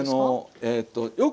ええとよく。